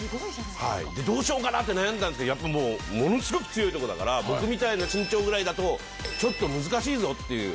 どうしようかなって悩んだんですけどものすごく強いとこだから僕みたいな身長ぐらいだとちょっと難しいぞっていう。